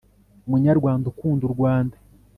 munyarwanda ukunda u rwanda